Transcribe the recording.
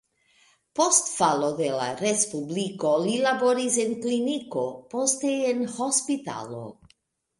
Post falo de la respubliko li laboris en kliniko, poste en hospitalo.